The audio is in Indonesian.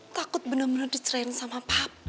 takut bener bener dicerain sama papa